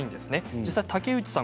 実は竹内さん